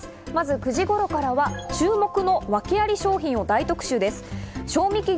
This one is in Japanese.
９時頃からは注目の訳あり商品を大特集です。